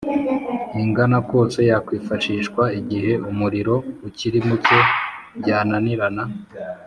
Ingana kose yakwifashishwa igihe umuriro ukiri muke byananirana